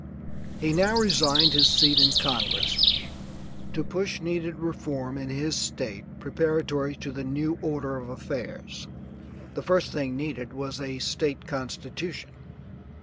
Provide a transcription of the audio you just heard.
He now resigned his seat in Congress to push needed reform in his State preparatory to the new order of affairs. The first thing needed was a State constitution.